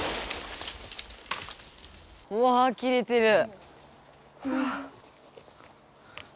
うわ切れてる！